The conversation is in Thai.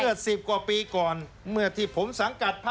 เจอสิบกว่าปีก่อนเมื่อที่ผมสังกัดภาคชาติไทย